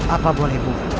apa boleh bu